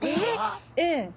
ええ。